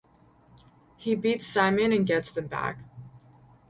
He beats Simon and gets them back.